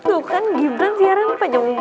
tuh kan gibran siaran panjang